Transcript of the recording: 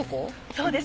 そうです。